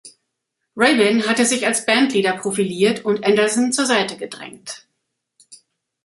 Rabin hatte sich als Bandleader profiliert und Anderson zur Seite gedrängt.